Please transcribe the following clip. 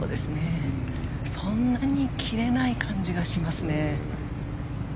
そんなに切れない感じがします。